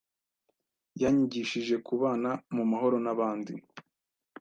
Yanyigishije kubana mumahoro nabandi